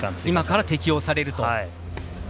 今から適用されると。